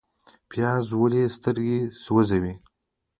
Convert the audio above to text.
پیاز ولې سترګې سوځوي؟